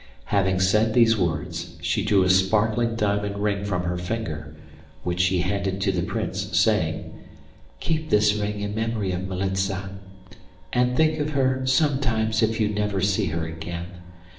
Having said these words, she drew a sparkling diamond ring from her finger, which she handed to the Prince, saying: 'Keep this ring in memory of Militza, and think of her sometimes if you never see her again.